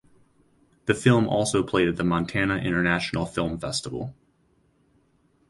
The film also played at the Montana International Film Festival.